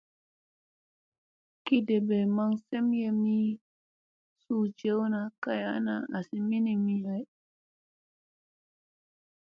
Gi deppa maŋ semyegii suu jewna kay ana asi minigi hay.